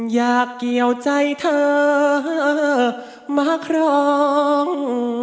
อยากเกี่ยวใจเธอมาครอง